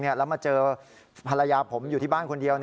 แล้วมาเจอภรรยาผมอยู่ที่บ้านคนเดียว